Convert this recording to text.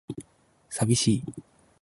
寂しい